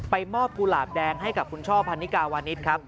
มอบกุหลาบแดงให้กับคุณช่อพันนิกาวานิสครับ